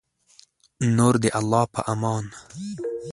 نور د الله په امان